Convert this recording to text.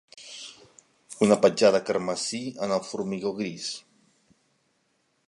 Una petjada carmesí en el formigó gris!